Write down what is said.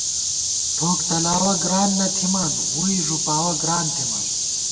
ٹھوک تلاوَہ گران نہ تھِمان ووئی ݫُپاوَہ گران تھِمان